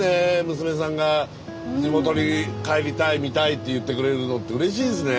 娘さんが地元に帰りたい見たいって言ってくれるのってうれしいですね。